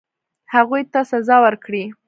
هغوی ته سزا ورکړي.